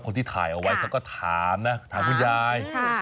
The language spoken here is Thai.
คนที่ถ่ายเอาไว้เขาก็ถามนะถามคุณยาย